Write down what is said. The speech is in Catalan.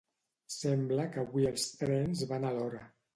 Sembla que avui els trens van a l'hora